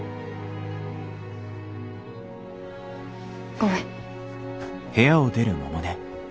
ごめん。